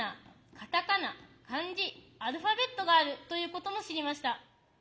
カタカナ漢字アルファベットがあるということも知りました。